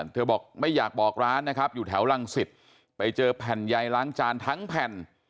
บอกไม่อยากบอกร้านนะครับอยู่แถวรังสิตไปเจอแผ่นใยล้างจานทั้งแผ่น